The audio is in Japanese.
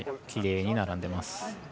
きれいに並んでいます。